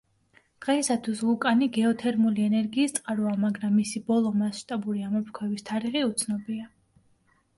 დღეისათვის ვულკანი გეოთერმული ენერგიის წყაროა, მაგრამ მისი ბოლო მასშტაბური ამოფრქვევის თარიღი უცნობია.